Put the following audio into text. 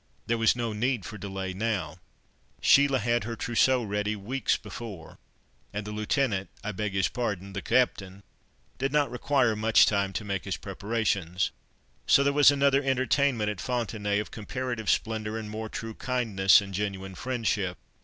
There was no need for delay now—Sheila had her trousseau ready weeks before, and the Lieutenant—I beg his pardon, the Captain—didn't require much time to make his preparations. So there was another entertainment at Fontenaye, of comparative splendour and more true kindness and genuine friendship.